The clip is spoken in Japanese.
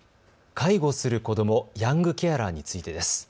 介護する子ども、ヤングケアラーについてです。